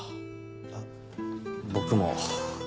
あっ僕も。